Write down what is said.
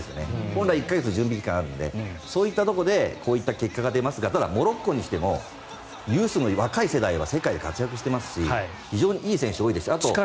本来１か月、準備期間があるのでそういったところでこういった結果が出ますがただ、モロッコにしても若い世代が世界で活躍していますし非常にいい選手が多いです。